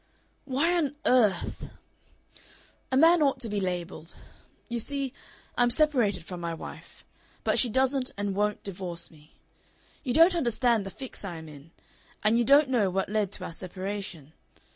"Why on earth ? A man ought to be labelled. You see, I'm separated from my wife. But she doesn't and won't divorce me. You don't understand the fix I am in. And you don't know what led to our separation.